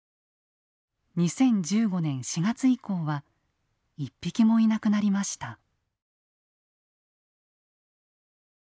２０１５年４月以降は一匹もいなくなりました。